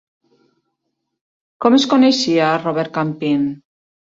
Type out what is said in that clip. Com es coneixia a Robert Campin?